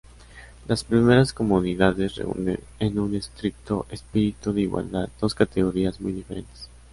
Las primeras comunidades reúnen en un estricto espíritu de igualdad dos categorías muy diferentes.